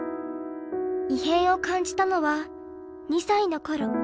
異変を感じたのは２歳の頃。